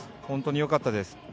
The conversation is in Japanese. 本当によかったです。